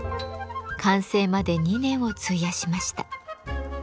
完成まで２年を費やしました。